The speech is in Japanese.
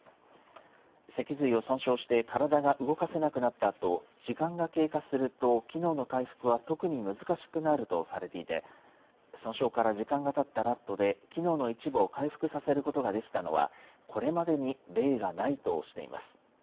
脊髄を損傷して体が動かせなくなったあと、時間が経過すると、機能の回復は特に難しくなるとされていて、損傷から時間がたったラットで機能の一部を回復させることができたのは、これまでに例がないとしています。